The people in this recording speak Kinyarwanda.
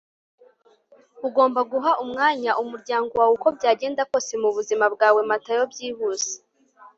ugomba guha umwanya umuryango wawe uko byagenda kose mubuzima bwawe - matayo byihuse